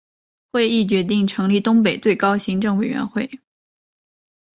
会议决定成立东北最高行政委员会。